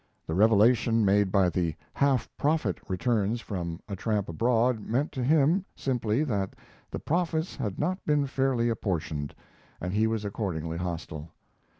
The revelation made by the "half profit" returns from A Tramp Abroad meant to him, simply that the profits had not been fairly apportioned, and he was accordingly hostile.